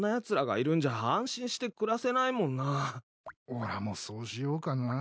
おらもそうしようかな。